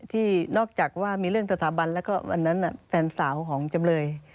ที่นอกจากว่ามีเรื่องสถาบันแล้วก็วันนั้นแฟนสาวของจำเลย